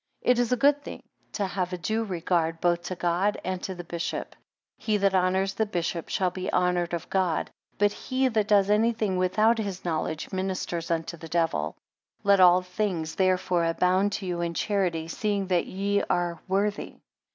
7 It is a good thin to have a due regard both to God, and to the bishop: he that honours the bishop, shall be honoured of God; but he that does any thing without his knowledge, ministers unto the devil. 8 Let all things therefore abound to you in charity; seeing that ye are worthy.